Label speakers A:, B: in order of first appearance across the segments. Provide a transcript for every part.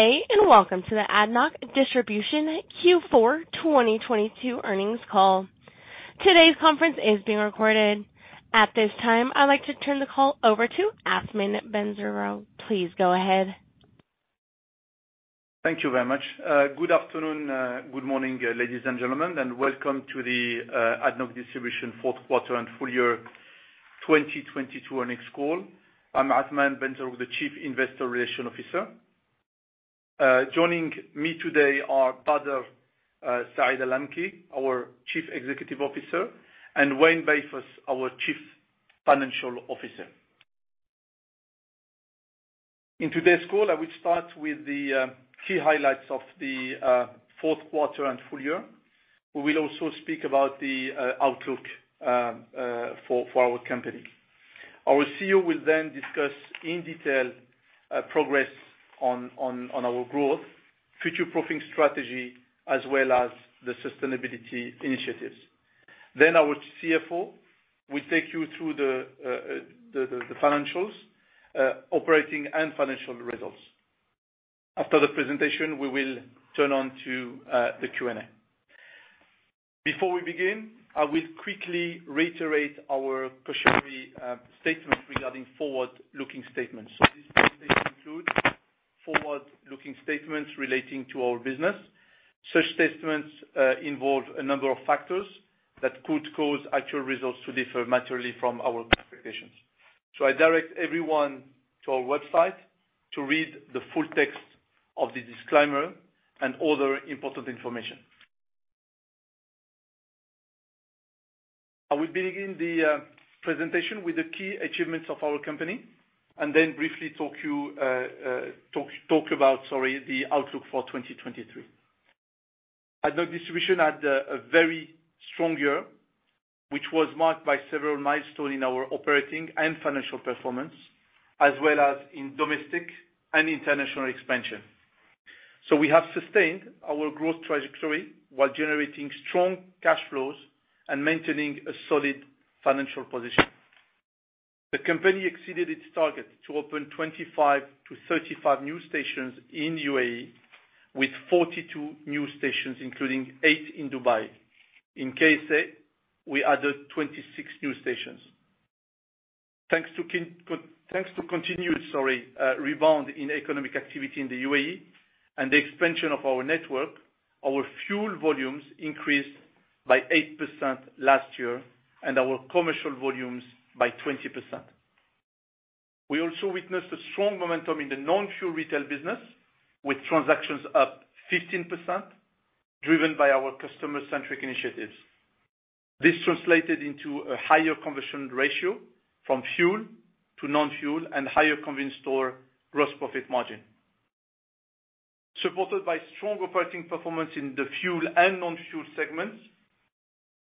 A: Good day, and welcome to the ADNOC Distribution Q4 2022 earnings call. Today's conference is being recorded. At this time, I'd like to turn the call over to Athmane Benzerroug. Please go ahead.
B: Thank you very much. Good afternoon, good morning, ladies and gentlemen, and welcome to the ADNOC Distribution fourth quarter and full year 2022 earnings call. I'm Athmane Benzerroug, the Chief Investor Relations Officer. Joining me today are Badr Saeed Al-Lamki', our Chief Executive Officer, and Wayne Beifus, our Chief Financial Officer. In today's call, I will start with the key highlights of the fourth quarter and full year. We will also speak about the outlook for our company. Our CEO will discuss in detail progress on our growth, future-proofing strategy, as well as the sustainability initiatives. Our CFO will take you through the financials, operating and financial results. After the presentation, we will turn on to the Q&A. Before we begin, I will quickly reiterate our cautionary statement regarding forward-looking statements. This presentation includes forward-looking statements relating to our business. Such statements involve a number of factors that could cause actual results to differ materially from our expectations. I direct everyone to our website to read the full text of the disclaimer and other important information. I will begin the presentation with the key achievements of our company and then briefly talk about, sorry, the outlook for 2023. ADNOC Distribution had a very strong year, which was marked by several milestone in our operating and financial performance, as well as in domestic and international expansion. We have sustained our growth trajectory while generating strong cash flows and maintaining a solid financial position. The company exceeded its target to open 25-35 new stations in UAE with 42 new stations, including 8 in Dubai. In KSA, we added 26 new stations. Thanks to continued, sorry, rebound in economic activity in the UAE and the expansion of our network, our fuel volumes increased by 8% last year, and our commercial volumes by 20%. We also witnessed a strong momentum in the non-fuel retail business with transactions up 15%, driven by our customer-centric initiatives. This translated into a higher conversion ratio from fuel to non-fuel and higher convenience store gross profit margin. Supported by strong operating performance in the fuel and non-fuel segments,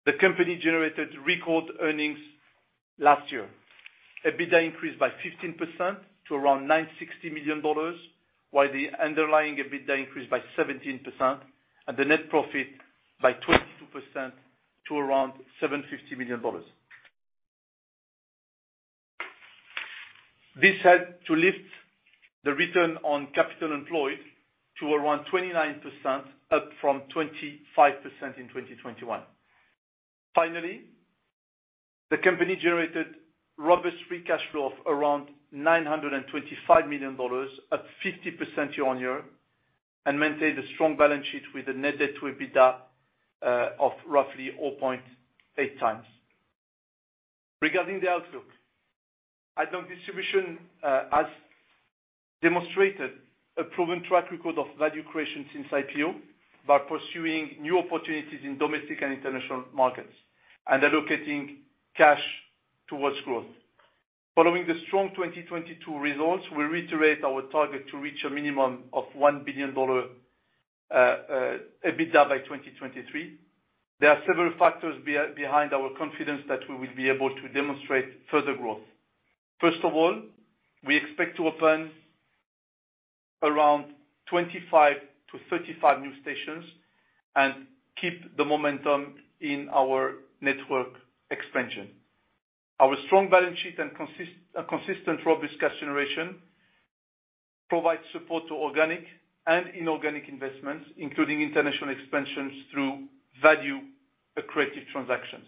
B: the company generated record earnings last year. EBITDA increased by 15% to around $960 million, while the underlying EBITDA increased by 17% and the net profit by 22% to around $750 million. This helped to lift the return on capital employed to around 29%, up from 25% in 2021. Finally, the company generated robust free cash flow of around $925 million, up 50% year-on-year, and maintained a strong balance sheet with a net debt to EBITDA of roughly 0.8 times. Regarding the outlook, ADNOC Distribution has demonstrated a proven track record of value creation since IPO by pursuing new opportunities in domestic and international markets and allocating cash towards growth. Following the strong 2022 results, we reiterate our target to reach a minimum of $1 billion EBITDA by 2023. There are several factors behind our confidence that we will be able to demonstrate further growth. First of all, we expect to open around 25-35 new stations and keep the momentum in our network expansion. Our strong balance sheet and consistent robust cash generation provides support to organic and inorganic investments, including international expansions through value accretive transactions.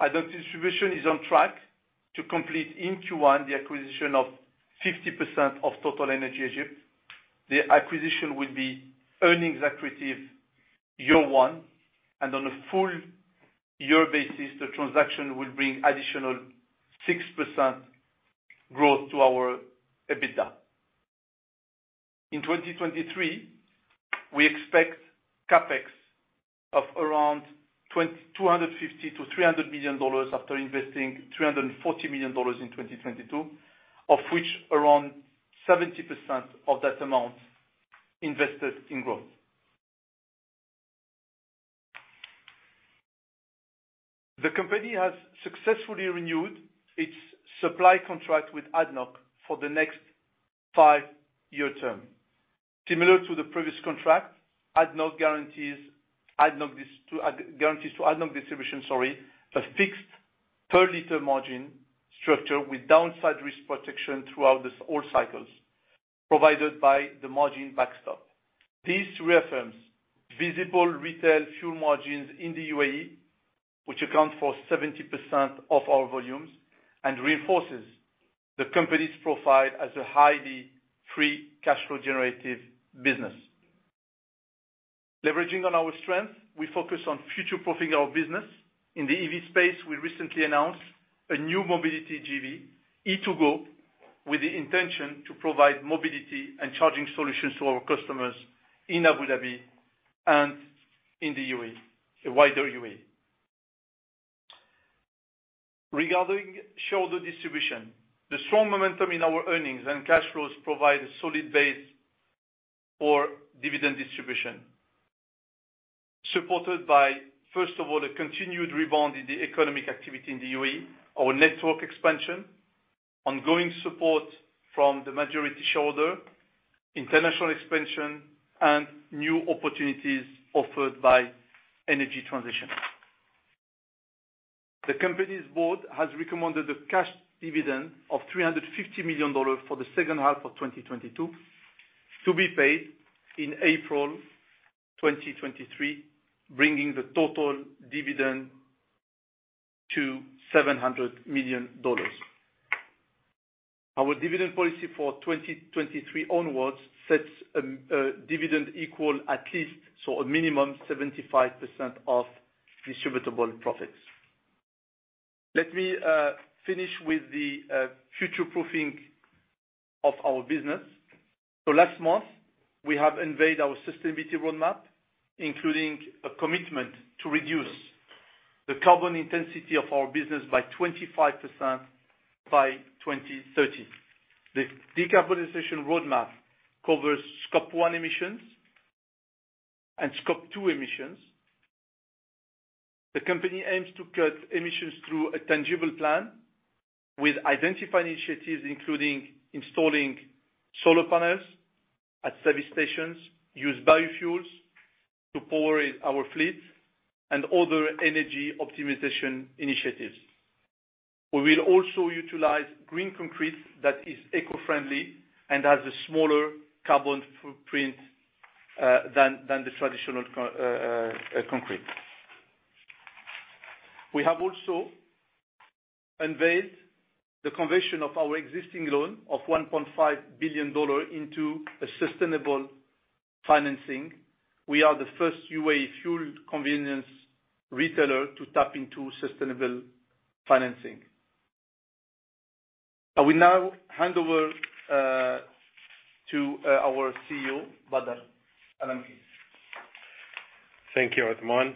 B: ADNOC Distribution is on track to complete in Q1 the acquisition of 50% of TotalEnergies Marketing Egypt. The acquisition will be earnings accretive year 1, and on a full year basis, the transaction will bring additional 6% growth to our EBITDA. In 2023, we expect CapEx of around $250 million-$300 million after investing $340 million in 2022, of which around 70% of that amount invested in growth. The company has successfully renewed its supply contract with ADNOC for the next 5-year term. Similar to the previous contract, ADNOC guarantees ADNOC Distribution, sorry, a fixed-per liter margin structure with downside risk protection throughout this whole cycles, provided by the margin backstop. This reaffirms visible retail fuel margins in the UAE, which account for 70% of our volumes, and reinforces the company's profile as a highly free cash flow generative business. Leveraging on our strength, we focus on future-proofing our business. In the EV space, we recently announced a new mobility JV, E2GO, with the intention to provide mobility and charging solutions to our customers in Abu Dhabi and in the UAE, a wider UAE. Regarding shareholder distribution, the strong momentum in our earnings and cash flows provide a solid base for dividend distribution. Supported by, first of all, a continued rebound in the economic activity in the UAE, our network expansion, ongoing support from the majority shareholder, international expansion, and new opportunities offered by energy transition. The company's board has recommended a cash dividend of $350 million for the second half of 2022, to be paid in April 2023, bringing the total dividend to $700 million. Our dividend policy for 2023 onwards sets dividend equal at least, so a minimum 75% of distributable profits. Let me finish with the future-proofing of our business. Last month, we have unveiled our sustainability roadmap, including a commitment to reduce the carbon intensity of our business by 25% by 2030. The decarbonization roadmap covers Scope 1 emissions and Scope 2 emissions. The company aims to cut emissions through a tangible plan with identifying initiatives, including installing solar panels at service stations, use biofuels to power our fleet, and other energy optimization initiatives. We will also utilize green concrete that is eco-friendly and has a smaller carbon footprint than the traditional concrete. We have also unveiled the conversion of our existing loan of $1.5 billion into a sustainable financing. We are the first UAE fuel convenience retailer to tap into sustainable financing. I will now hand over to our CEO, Bader Saeed Al-Lamki'.
C: Thank you, Athmane,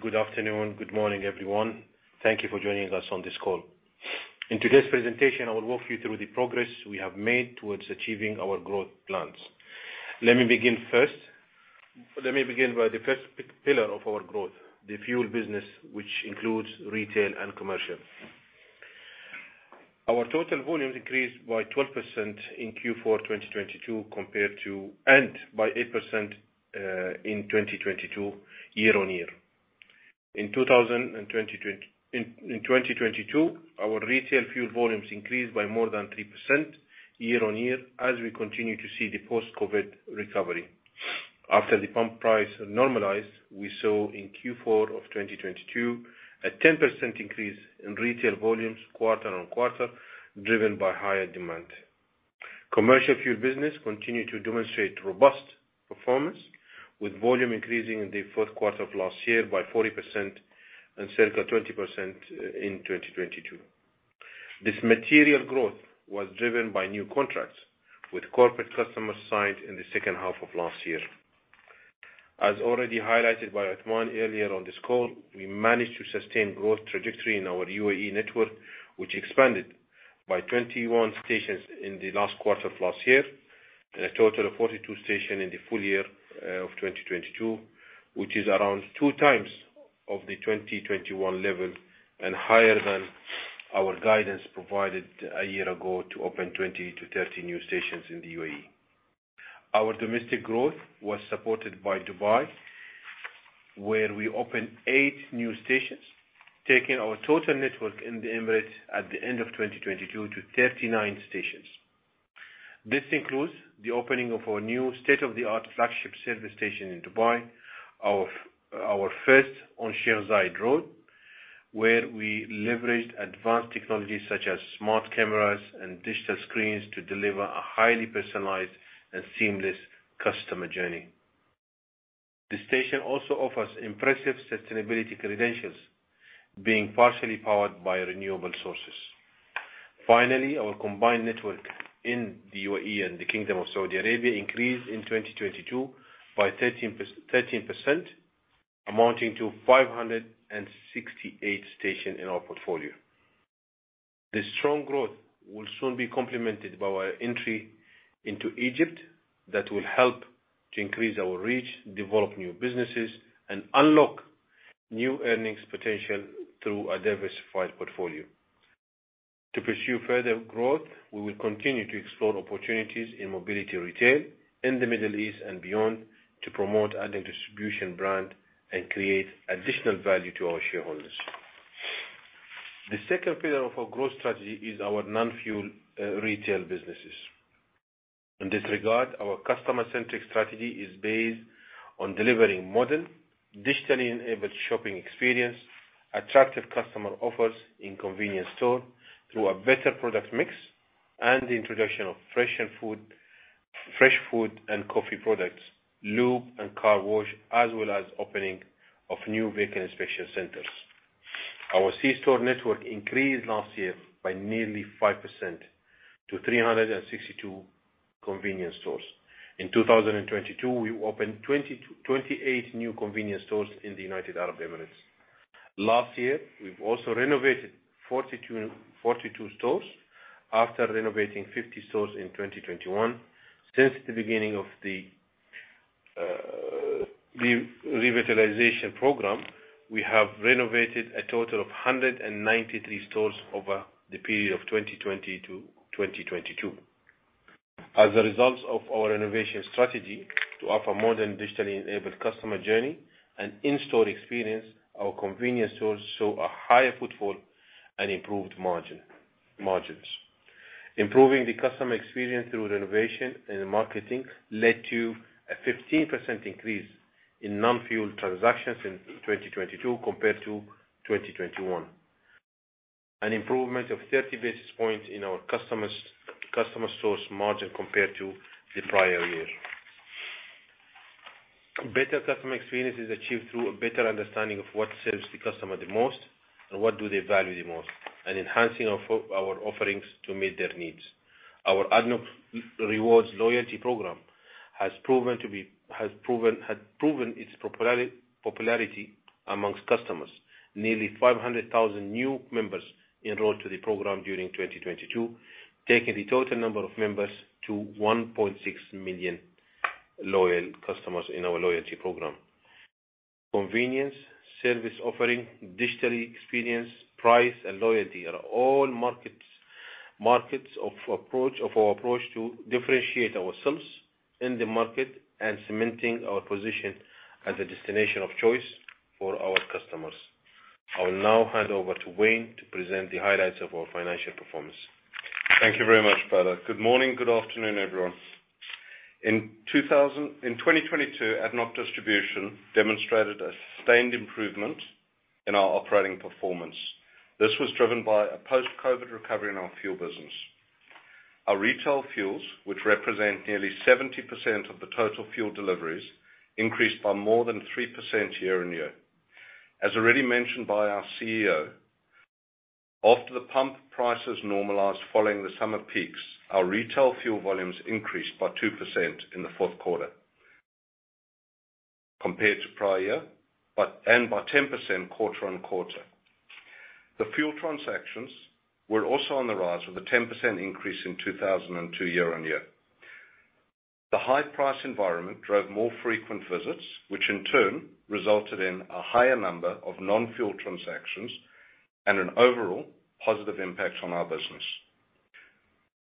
C: good afternoon, good morning, everyone. Thank you for joining us on this call. In today's presentation, I will walk you through the progress we have made towards achieving our growth plans. Let me begin by the first pillar of our growth, the fuel business, which includes retail and commercial. Our total volumes increased by 12% in Q4 2022 and by 8% in 2022 year-on-year. In 2022, our retail fuel volumes increased by more than 3% year-on-year as we continue to see the post-COVID recovery. After the pump price normalized, we saw in Q4 2022 a 10% increase in retail volumes quarter-on-quarter, driven by higher demand. Commercial fuel business continued to demonstrate robust performance, with volume increasing in the fourth quarter of last year by 40% and circa 20% in 2022. This material growth was driven by new contracts with corporate customers signed in the second half of last year. As already highlighted by Athmane earlier on this call, we managed to sustain growth trajectory in our UAE network, which expanded by 21 stations in the last quarter of last year. A total of 42 stations in the full year of 2022, which is around 2 times of the 2021 level and higher than our guidance provided a year ago to open 20-30 new stations in the UAE. Our domestic growth was supported by Dubai, where we opened 8 new stations, taking our total network in the Emirates at the end of 2022 to 39 stations. This includes the opening of our new state-of-the-art flagship service station in Dubai, our first on Sheikh Zayed Road, where we leveraged advanced technologies such as smart cameras and digital screens to deliver a highly personalized and seamless customer journey. The station also offers impressive sustainability credentials, being partially powered by renewable sources. Our combined network in the UAE and the Kingdom of Saudi Arabia increased in 2022 by 13%, amounting to 568 stations in our portfolio. This strong growth will soon be complemented by our entry into Egypt that will help to increase our reach, develop new businesses, and unlock new earnings potential through a diversified portfolio. To pursue further growth, we will continue to explore opportunities in mobility retail in the Middle East and beyond to promote ADNOC Distribution brand and create additional value to our shareholders. The second pillar of our growth strategy is our non-fuel retail businesses. In this regard, our customer-centric strategy is based on delivering modern, digitally-enabled shopping experience, attractive customer offers in convenience store through a better product mix and the introduction of fresh food and coffee products, lube and car wash, as well as opening of new vehicle inspection centers. Our C-store network increased last year by nearly 5% to 362 convenience stores. In 2022, we opened 28 new convenience stores in the United Arab Emirates. Last year, we have also renovated 42 stores after renovating 50 stores in 2021. Since the beginning of the revitalization program, we have renovated a total of 193 stores over the period of 2020 to 2022. As a result of our renovation strategy to offer more than digitally-enabled customer journey and in-store experience, our convenience stores show a higher footfall and improved margins. Improving the customer experience through renovation and marketing led to a 15% increase in non-fuel transactions in 2022 compared to 2021. An improvement of 30 basis points in our customer stores margin compared to the prior year. Better customer experience is achieved through a better understanding of what serves the customer the most and what do they value the most, and enhancing of our offerings to meet their needs. Our ADNOC Rewards loyalty program has proven its popularity amongst customers. Nearly 500,000 new members enrolled to the program during 2022, taking the total number of members to 1.6 million loyal customers in our loyalty program. Convenience, service offering, digital experience, price, and loyalty are all markets of our approach to differentiate ourselves in the market and cementing our position as a destination of choice for our customers. I will now hand over to Wayne to present the highlights of our financial performance.
D: Thank you very much, Bader. Good morning. Good afternoon, everyone. In 2022, ADNOC Distribution demonstrated a sustained improvement in our operating performance. This was driven by a post-COVID recovery in our fuel business. Our retail fuels, which represent nearly 70% of the total fuel deliveries, increased by more than 3% year-over-year. As already mentioned by our CEO, after the pump prices normalized following the summer peaks, our retail fuel volumes increased by 2% in the fourth quarter compared to prior year, and by 10% quarter-over-quarter. The fuel transactions were also on the rise with a 10% increase in 2022 year-over-year. The high price environment drove more frequent visits, which in turn resulted in a higher number of non-fuel transactions and an overall positive impact on our business.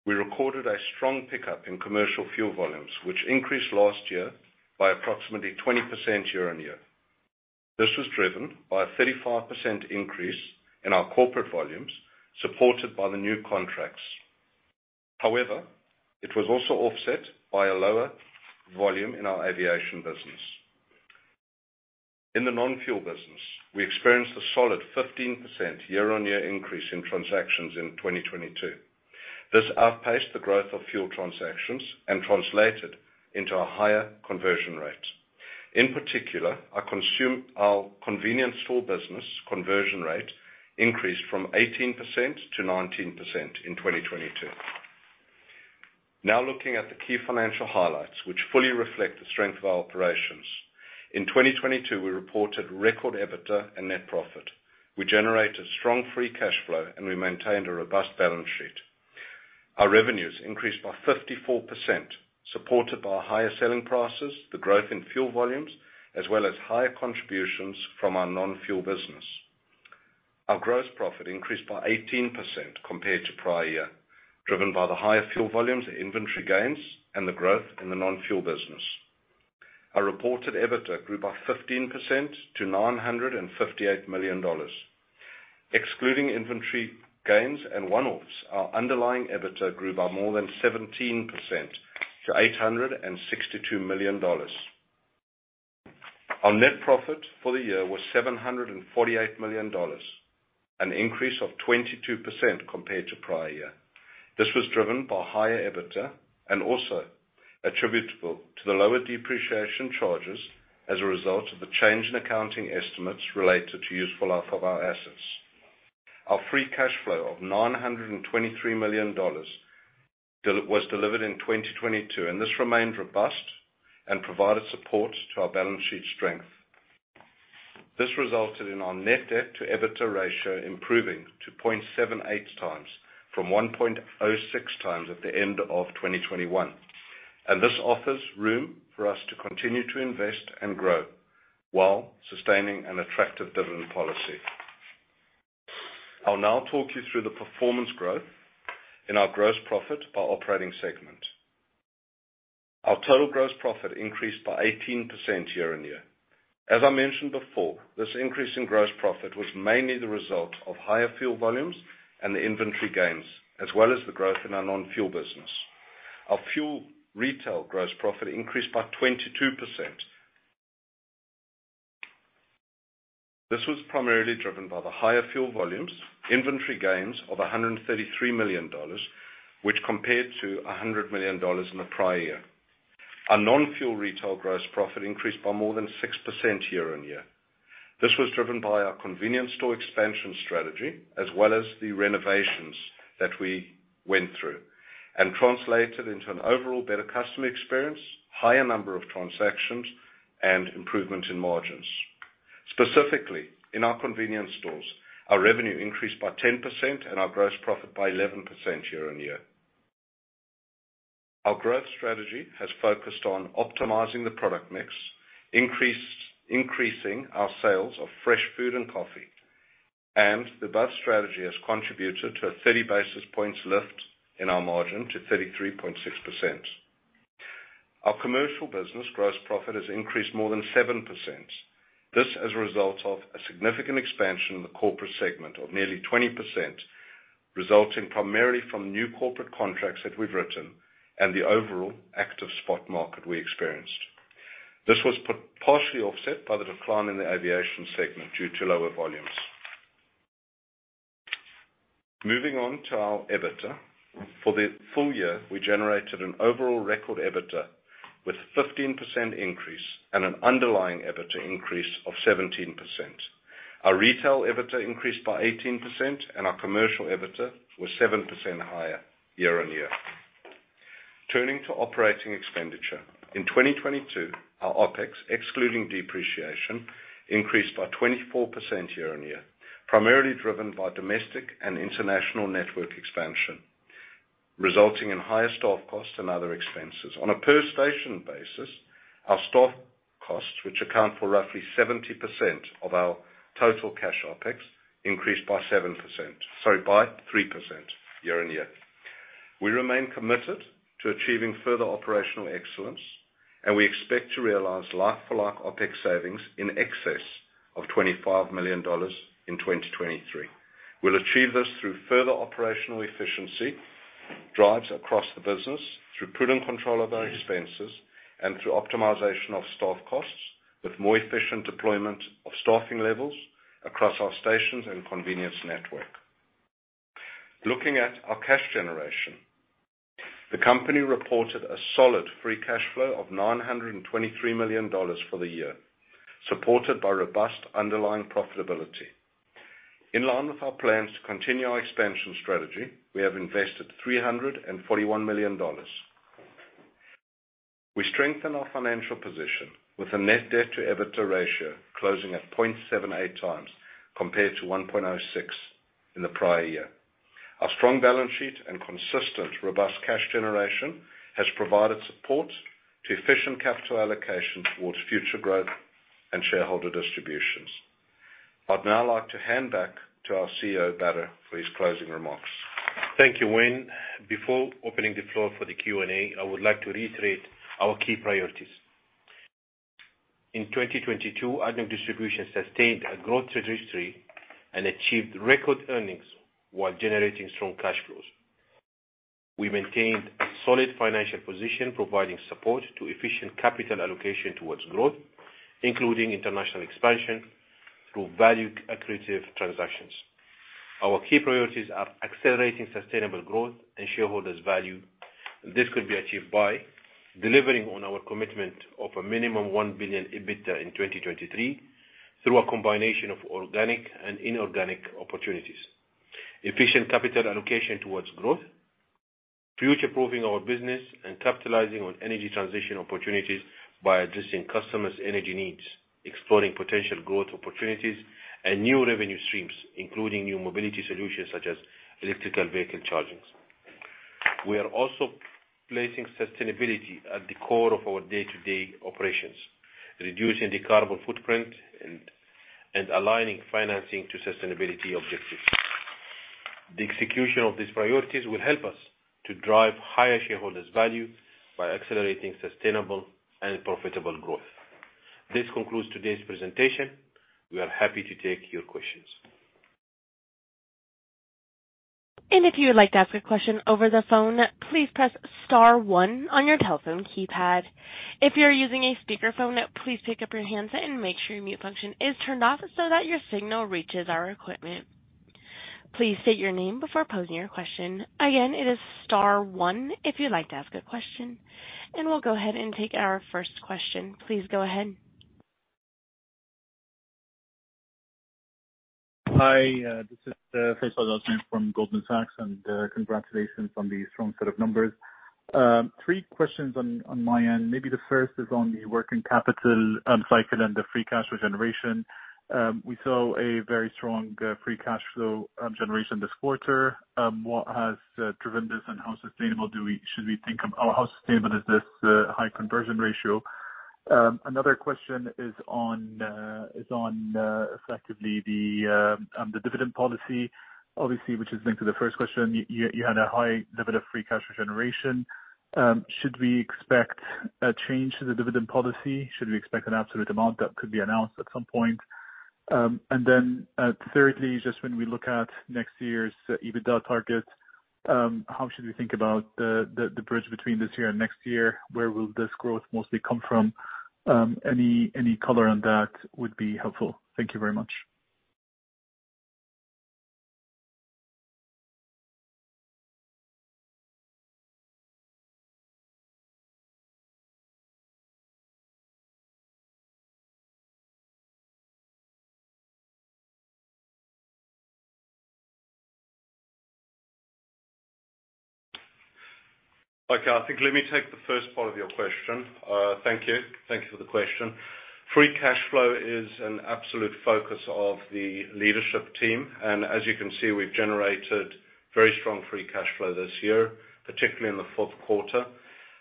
D: We recorded a strong pickup in commercial fuel volumes, which increased last year by approximately 20% year-on-year. This was driven by a 35% increase in our corporate volumes, supported by the new contracts. It was also offset by a lower volume in our aviation business. In the non-fuel business, we experienced a solid 15% year-on-year increase in transactions in 2022. This outpaced the growth of fuel transactions and translated into a higher conversion rate. In particular, our convenience store business conversion rate increased from 18% to 19% in 2022. Looking at the key financial highlights, which fully reflect the strength of our operations. In 2022, we reported record EBITDA and net profit. We generated strong free cash flow, and we maintained a robust balance sheet. Our revenues increased by 54%, supported by higher selling prices, the growth in fuel volumes, as well as higher contributions from our non-fuel business. Our gross profit increased by 18% compared to prior year, driven by the higher fuel volumes, the inventory gains, and the growth in the non-fuel business. Our reported EBITDA grew by 15% to $958 million. Excluding inventory gains and one-offs, our underlying EBITDA grew by more than 17% to $862 million. Our net profit for the year was $748 million, an increase of 22% compared to prior year. This was driven by higher EBITDA and also attributable to the lower depreciation charges as a result of the change in accounting estimates related to useful life of our assets. Our free cash flow of $923 million was delivered in 2022, and this remained robust and provided support to our balance sheet strength. This resulted in our net debt to EBITDA ratio improving to 0.78 times from 1.06 times at the end of 2021. This offers room for us to continue to invest and grow. While sustaining an attractive dividend policy. I'll now talk you through the performance growth in our gross profit by operating segment. Our total gross profit increased by 18% year-on-year. As I mentioned before, this increase in gross profit was mainly the result of higher fuel volumes and the inventory gains, as well as the growth in our non-fuel business. Our fuel retail gross profit increased by 22%. This was primarily driven by the higher fuel volumes, inventory gains of $133 million, which compared to $100 million in the prior year. Our non-fuel retail gross profit increased by more than 6% year-on-year. This was driven by our convenience store expansion strategy, as well as the renovations that we went through, and translated into an overall better customer experience, higher number of transactions, and improvement in margins. Specifically, in our convenience stores, our revenue increased by 10% and our gross profit by 11% year-on-year. Our growth strategy has focused on optimizing the product mix, increasing our sales of fresh food and coffee. The bus strategy has contributed to a 30 basis points lift in our margin to 33.6%. Our commercial business gross profit has increased more than 7%. This as a result of a significant expansion in the corporate segment of nearly 20%, resulting primarily from new corporate contracts that we've written and the overall active spot market we experienced. This was partially offset by the decline in the aviation segment due to lower volumes. Moving on to our EBITDA. For the full year, we generated an overall record EBITDA with 15% increase and an underlying EBITDA increase of 17%. Our retail EBITDA increased by 18%, and our commercial EBITDA was 7% higher year-on-year. Turning to operating expenditure. In 2022, our OpEx, excluding depreciation, increased by 24% year-on-year, primarily driven by domestic and international network expansion, resulting in higher staff costs and other expenses. On a per station basis, our staff costs, which account for roughly 70% of our total cash OpEx, increased by 7%, sorry, by 3% year-on-year. We remain committed to achieving further operational excellence, we expect to realize like-for-like OpEx savings in excess of $25 million in 2023. We will achieve this through further operational efficiency, drives across the business, through prudent control of our expenses, and through optimization of staff costs with more efficient deployment of staffing levels across our stations and convenience network. Looking at our cash generation. The company reported a solid free cash flow of $923 million for the year, supported by robust underlying profitability. In line with our plans to continue our expansion strategy, we have invested $341 million. We strengthen our financial position with a net debt to EBITDA ratio closing at 0.78x compared to 1.06 in the prior year. Our strong balance sheet and consistent robust cash generation has provided support to efficient capital allocation towards future growth and shareholder distributions. I'd now like to hand back to our CEO, Bader, for his closing remarks.
C: Thank you, Wayne. Before opening the floor for the Q&A, I would like to reiterate our key priorities. In 2022, ADNOC Distribution sustained a growth trajectory and achieved record earnings while generating strong cash flows. We maintained a solid financial position, providing support to efficient capital allocation towards growth, including international expansion through value accretive transactions. Our key priorities are accelerating sustainable growth and shareholders value. This could be achieved by delivering on our commitment of a minimum 1 billion EBITDA in 2023 through a combination of organic and inorganic opportunities. Efficient capital allocation towards growth, future-proofing our business, and capitalizing on energy transition opportunities by addressing customers' energy needs, exploring potential growth opportunities and new revenue streams, including new mobility solutions such as electrical vehicle chargings. We are also placing sustainability at the core of our day-to-day operations, reducing the carbon footprint and aligning financing to sustainability objectives. The execution of these priorities will help us to drive higher shareholders value by accelerating sustainable and profitable growth. This concludes today's presentation. We are happy to take your questions.
A: If you would like to ask a question over the phone, please press star one on your telephone keypad. If you are using a speakerphone, please pick up your handset and make sure your mute function is turned off so that your signal reaches our equipment. Please state your name before posing your question. Again, it is star one if you'd like to ask a question. We will go ahead and take our first question. Please go ahead.
E: Hi, this is Faisal Al-Azmeh from Goldman Sachs. Congratulations on the strong set of numbers. Three questions on my end. Maybe the first is on the working capital cycle and the free cash flow generation. We saw a very strong free cash flow generation this quarter. What has driven this, and how sustainable is this high conversion ratio? Another question is on effectively the dividend policy, obviously, which is linked to the first question. You had a high level of free cash generation. Should we expect a change to the dividend policy? Should we expect an absolute amount that could be announced at some point? Thirdly, just when we look at next year's EBITDA target, how should we think about the bridge between this year and next year? Where will this growth mostly come from? Any color on that would be helpful. Thank you very much.
D: Okay. I think let me take the first part of your question. Thank you. Thank you for the question. Free cash flow is an absolute focus of the leadership team, and as you can see, we've generated very strong free cash flow this year, particularly in the fourth quarter.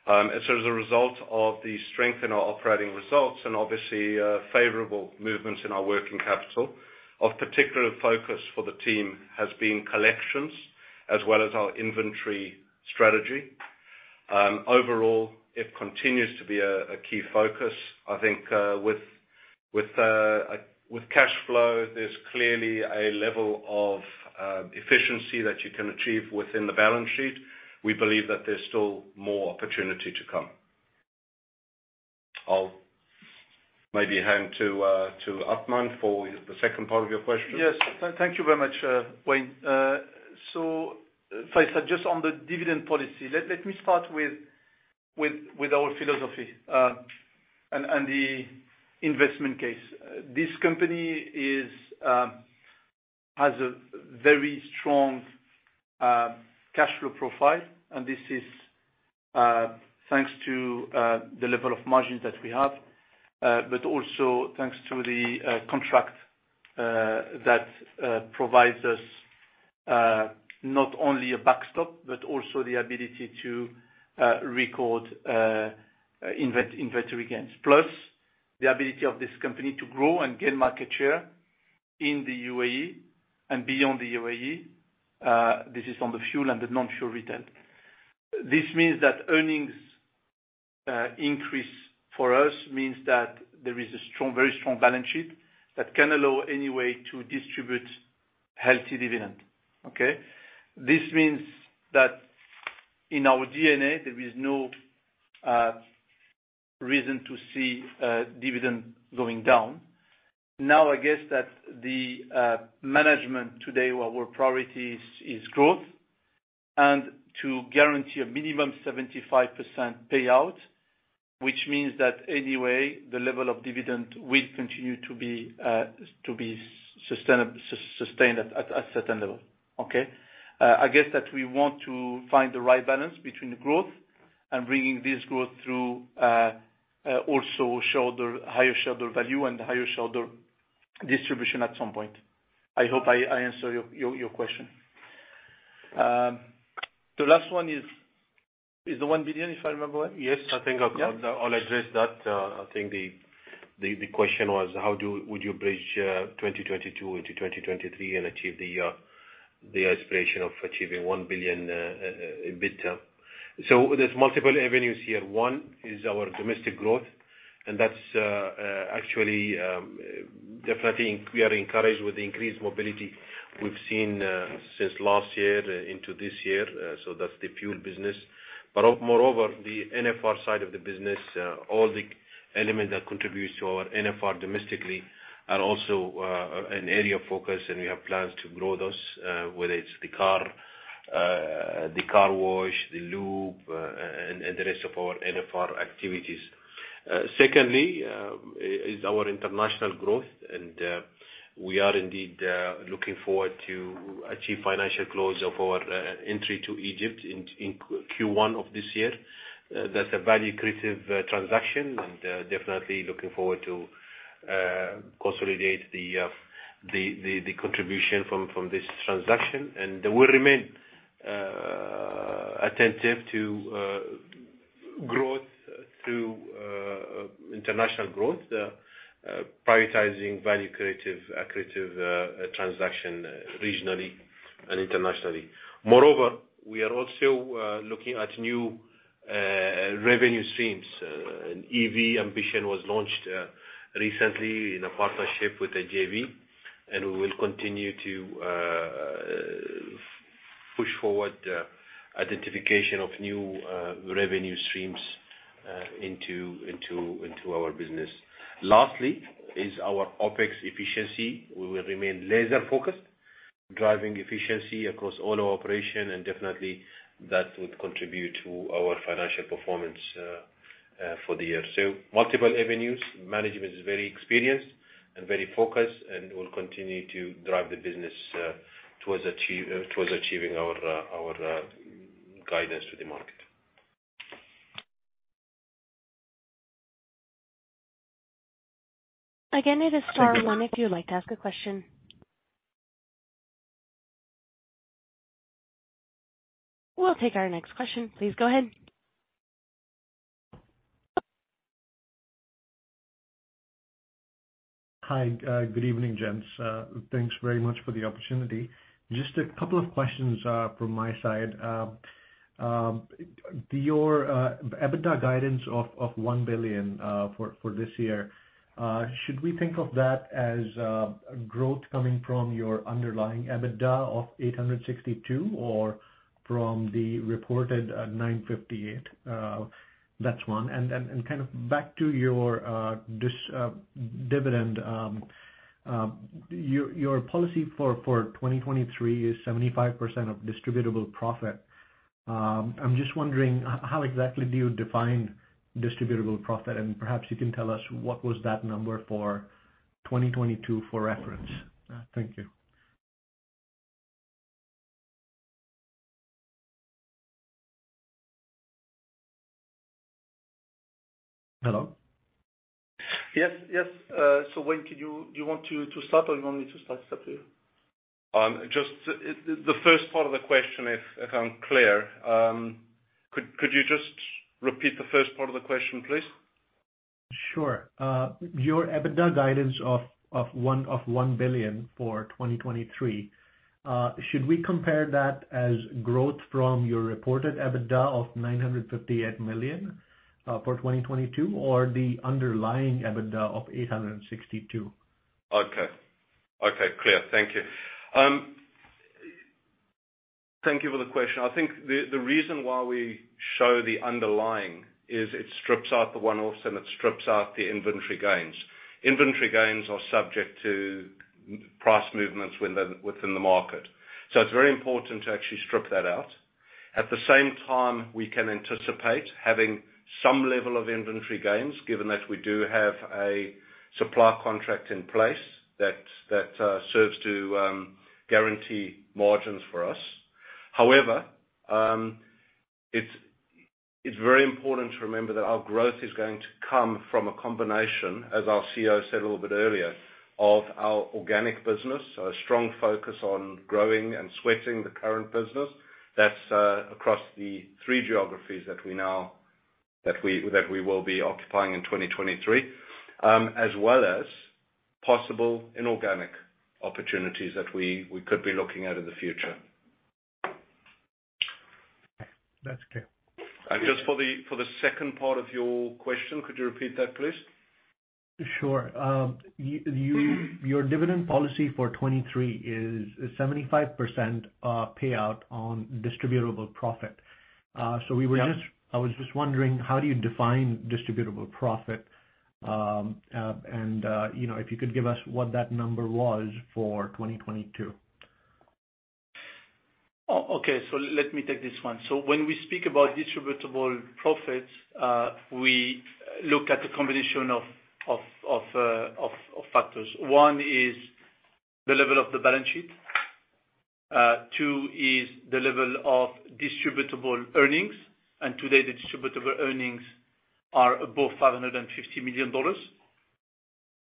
D: As a result of the strength in our operating results and obviously, favorable movements in our working capital, of particular focus for the team has been collections as well as our inventory strategy. Overall, it continues to be a key focus. I think, with cash flow, there is clearly a level of efficiency that you can achieve within the balance sheet. We believe that there's still more opportunity to come. I'll maybe hand to Athmane for the second part of your question.
B: Yes. Thank you very much, Wayne. So first, just on the dividend policy. Let me start with our philosophy and the investment case. This company has a very strong cash flow profile, and this is thanks to the level of margins that we have, but also thanks to the contract that provides us not only a backstop, but also the ability to record inventory gains. Plus the ability of this company to grow and gain market share in the UAE and beyond the UAE, this is on the fuel and the non-fuel retail. This means that earnings increase for us means that there is a strong, very strong balance sheet that can allow any way to distribute healthy dividend. Okay? This means that in our DNA, there is no reason to see dividend going down. Now, I guess that the management today, our priority is growth and to guarantee a minimum 75% payout, which means that anyway, the level of dividend will continue to be sustained at a certain level. Okay? I guess that we want to find the right balance between the growth and bringing this growth through also shareholder, higher shareholder value and higher shareholder distribution at some point. I hope I answer your, your question. The last one is the 1 billion, if I remember well.
C: Yes. I think I will address that. I think the question was how would you bridge 2022 into 2023 and achieve the aspiration of achieving 1 billion EBITDA? There is multiple avenues here. One is our domestic growth, and that's actually, definitely we are encouraged with increased mobility we have seen since last year into this year. That's the fuel business. Moreover, the NFR side of the business, all the elements that contributes to our NFR domestically are also an area of focus, and we have plans to grow those, whether it's the car wash, the lube, and the rest of our NFR activities. Secondly, is our international growth, we are indeed looking forward to achieve financial close of our entry to Egypt in Q1 of this year. That is a value creative transaction and definitely looking forward to consolidate the contribution from this transaction. We remain attentive to growth through, international growth, prioritizing value creative transaction regionally and internationally. Moreover, we are also looking at new revenue streams. EV ambition was launched recently in a partnership with a JV, we will continue to push forward identification of new revenue streams into our business. Lastly is our OpEx efficiency. We will remain laser focused, driving efficiency across all our operation. Definitely that would contribute to our financial performance for the year. Multiple avenues. Management is very experienced and very focused and will continue to drive the business towards achieving our guidance to the market.
A: Again, it is star one. If you would like to ask a question. We will take our next question. Please go ahead.
F: Hi. Good evening, gents. Thanks very much for the opportunity. Just a couple of questions from my side. Your EBITDA guidance of $1 billion for this year, should we think of that as growth coming from your underlying EBITDA of $862 million or from the reported $958 million? That is one. Kind of back to your dividend. Your policy for 2023 is 75% of distributable profit. I'm just wondering how exactly do you define distributable profit? Perhaps you can tell us what was that number for 2022 for reference. Thank you. Hello?
B: Yes, yes. So Wayne, Do you want to start, or you want me to start? It's up to you.
D: Just the first part of the question is unclear. Could you just repeat the first part of the question, please?
F: Sure. Your EBITDA guidance of $1 billion for 2023, should we compare that as growth from your reported EBITDA of $958 million for 2022 or the underlying EBITDA of $862 million?
D: Okay. Okay, clear. Thank you. Thank you for the question. I think the reason why we show the underlying is it strips out the one-offs, and it strips out the inventory gains. Inventory gains are subject to price movements within the market. It's very important to actually strip that out. At the same time, we can anticipate having some level of inventory gains given that we do have a supply contract in place that serves to guarantee margins for us. However, it's very important to remember that our growth is going to come from a combination as our CEO said a little bit earlier, of our organic business, so a strong focus on growing and sweating the current business. That is across the three geographies that we now. That we will be occupying in 2023, as well as possible inorganic opportunities that we could be looking at in the future.
F: That is clear.
D: Just for the, for the second part of your question, could you repeat that, please?
F: Sure. Your dividend policy for 2023 is 75% payout on distributable profit.
D: Yeah.
F: I was just wondering, how do you define distributable profit? You know, if you could give us what that number was for 2022?
B: Okay, let me take this one. When we speak about distributable profits, we look at the combination of factors. One is the level of the balance sheet. Two is the level of distributable earnings. Today the distributable earnings are above $550 million.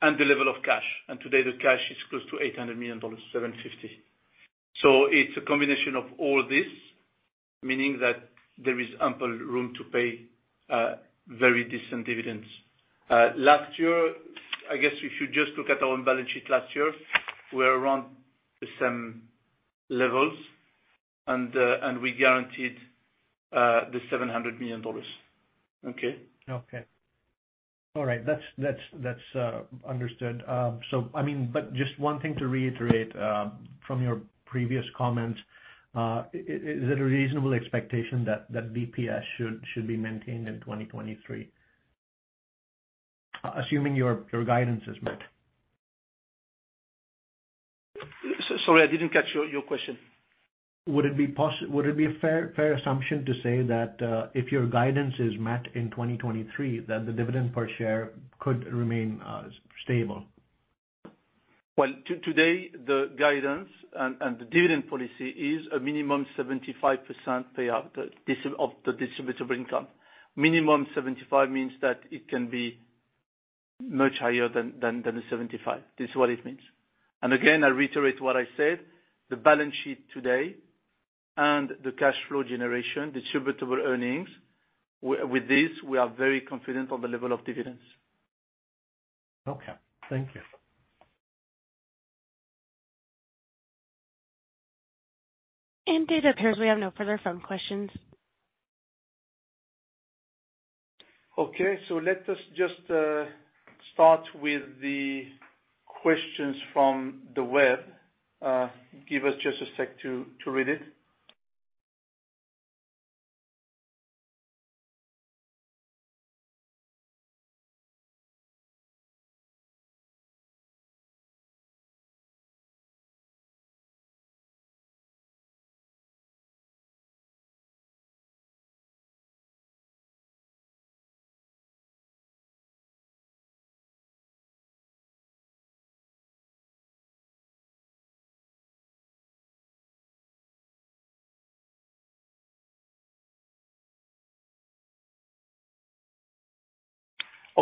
B: The level of cash. Today the cash is close to $800 million, $750 million. It's a combination of all this, meaning that there is ample room to pay very decent dividends. Last year, I guess if you just look at our own balance sheet last year, we're around the same levels and we guaranteed the $700 million. Okay.
F: Okay. All right. That's understood. I mean, just one thing to reiterate from your previous comments, is it a reasonable expectation that BPS should be maintained in 2023? Assuming your guidance is met.
B: Sorry, I didn't catch your question.
F: Would it be a fair assumption to say that if your guidance is met in 2023, then the dividend per share could remain stable?
B: Well, today, the guidance and the dividend policy is a minimum 75% payout, of the distributable income. Minimum 75 means that it can be much higher than the 75. This is what it means. Again, I reiterate what I said. The balance sheet today and the cash flow generation, distributable earnings, with this, we are very confident on the level of dividends.
F: Okay. Thank you.
A: It appears we have no further phone questions.
B: Okay. Let us just start with the questions from the web. Give us just a sec to read it.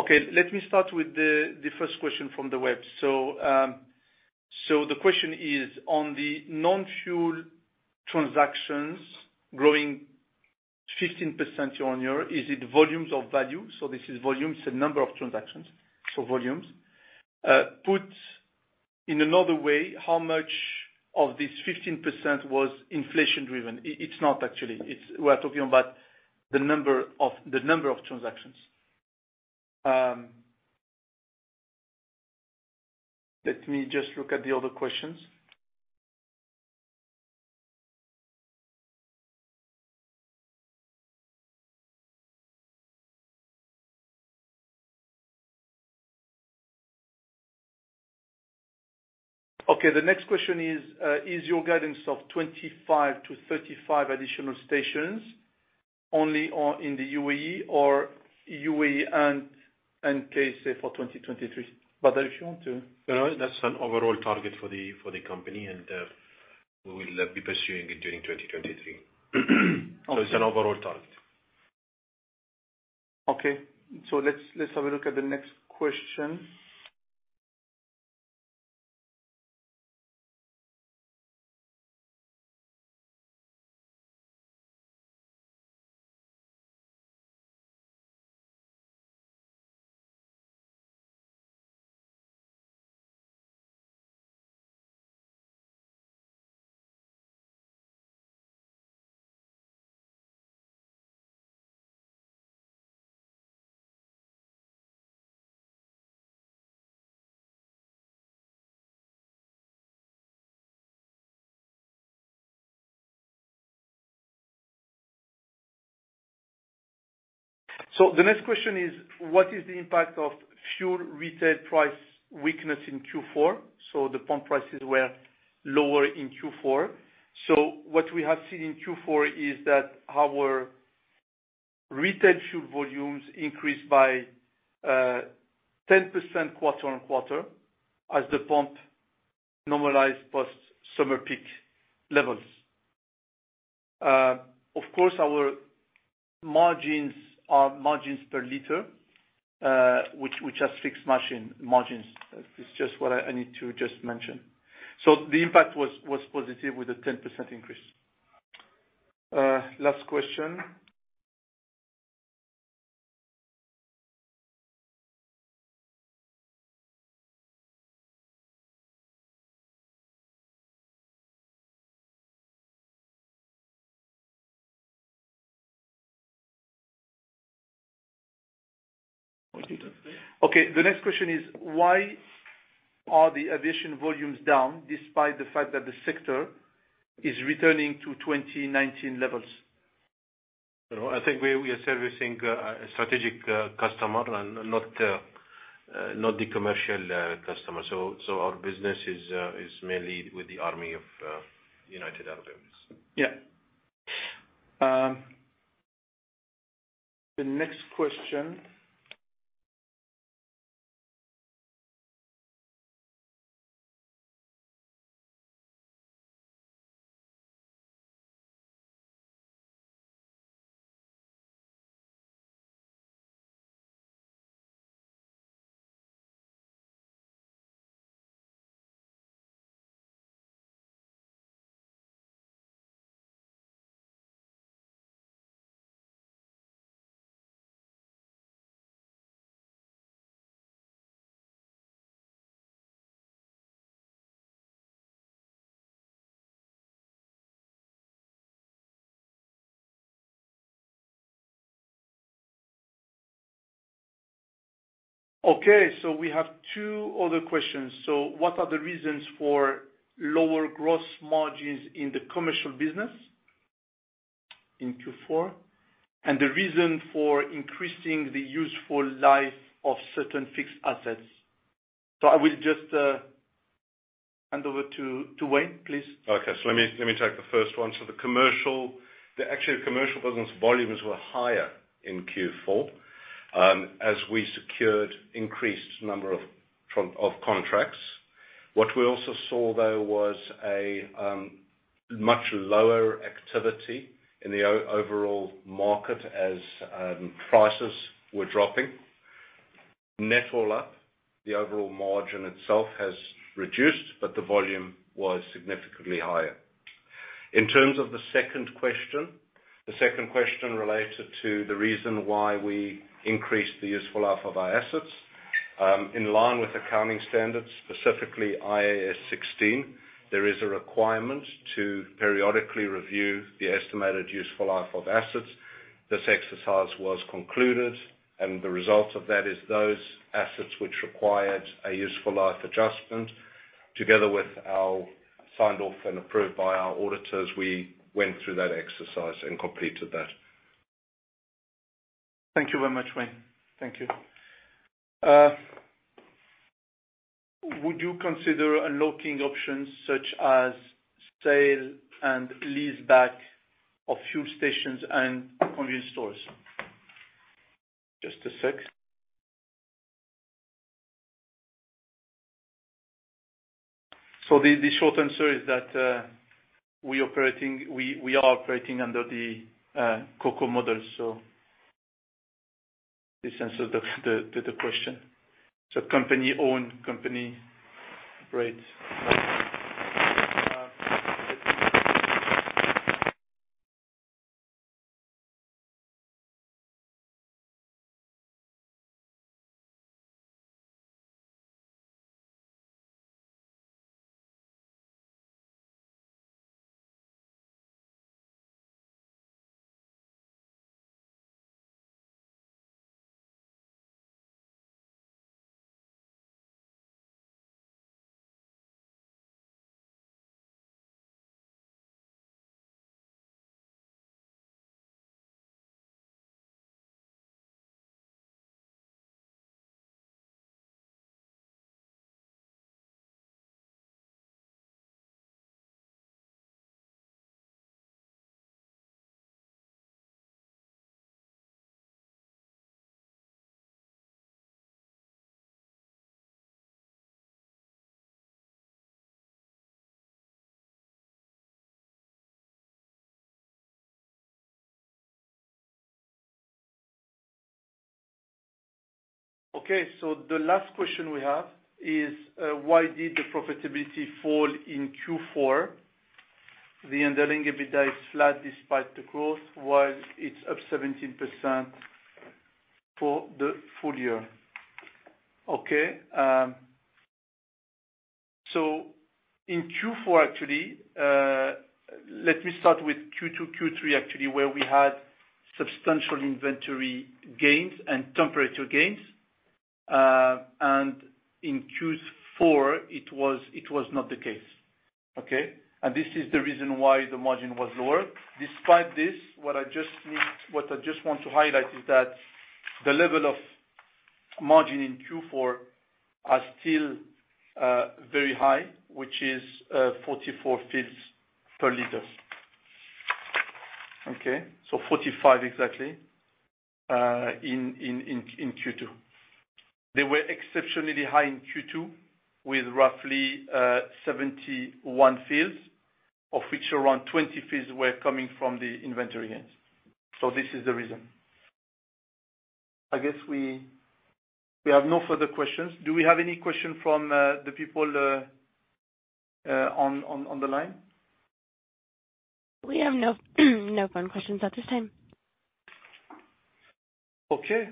B: Okay, let me start with the first question from the web. The question is on the non-fuel transactions growing 15% year-on-year, is it volumes of value? This is volumes, so number of transactions. Put in another way, how much of this 15% was inflation driven? It's not actually. We are talking about the number of transactions. Let me just look at the other questions. Okay, the next question is your guidance of 25-35 additional stations only in the UAE or UAE and KSA for 2023? Bader, if you want to.
C: That is an overall target for the, for the company, and we will be pursuing it during 2023. It's an overall target.
B: Okay. Let's have a look at the next question. The next question is, what is the impact of fuel retail price weakness in Q4? The pump prices were lower in Q4. So what we have seen in Q4 is that our retail fuel volumes increased by 10% quarter-on-quarter as the pump normalized post summer peak levels. Of course, our margins are margins per liter, which we just fixed margin. It's just what I need to just mention. The impact was positive with a 10% increase. Last question. Okay. The next question is why are the aviation volumes down despite the fact that the sector is returning to 2019 levels?
C: You know, I think we are servicing a strategic customer and not the commercial customer. Our business is mainly with the army of United Arab.
B: Yeah. The next question... Okay, we have two other questions. What are the reasons for lower gross margins in the commercial business in Q4, and the reason for increasing the useful life of certain fixed assets? I will just hand over to Wayne, please.
D: Okay. Let me take the first one. The actual commercial business volumes were higher in Q4 as we secured increased number of contracts. What we also saw, though, was a much lower activity in the overall market as prices were dropping. Net all up, the overall margin itself has reduced, but the volume was significantly higher. In terms of the second question. The second question related to the reason why we increased the useful life of our assets. In line with accounting standards, specifically IAS 16, there is a requirement to periodically review the estimated useful life of assets. This exercise was concluded, and the result of that is those assets which required a useful life adjustment together with our signed off and approved by our auditors, we went through that exercise and completed that.
B: Thank you very much, Wayne. Thank you. Would you consider unlocking options such as sale and leaseback of fuel stations and convenience stores? Just a sec. The short answer is that we are operating under the COCO model. This answers the question. Company owned, company rates. Okay. The last question we have is, why did the profitability fall in Q4? The underlying EBITDA is flat despite the growth, while it's up 17% for the full year. Okay. So in Q4, actually, let me start with Q2, Q3, actually, where we had substantial inventory gains and temperature gains. In Q4 it was not the case. Okay? This is the reason why the margin was lower. Despite this, what I just want to highlight is that the level of margin in Q4 are still very high, which is 44 fils per liter. Okay? 45 exactly in Q2. They were exceptionally high in Q2 with roughly 71 fils, of which around 20 fils were coming from the inventory gains. This is the reason. I guess we have no further questions. Do we have any questions from the people on the line?
A: We have no phone questions at this time.
B: Okay.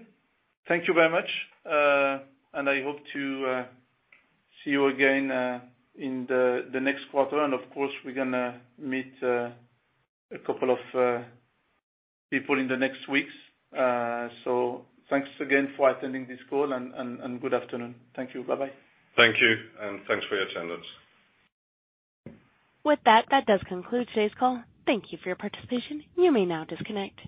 B: Thank you very much. I hope to see you again in the next quarter. Of course, we are gonna meet a couple of people in the next weeks. Thanks again for attending this call and good afternoon. Thank you. Bye-bye.
D: Thank you, and thanks for your attendance.
A: With that does conclude today's call. Thank you for your participation. You may now disconnect.